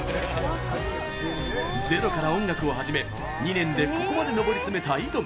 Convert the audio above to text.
ゼロから音楽を始め、２年でここまで上り詰めたｉｄｏｍ。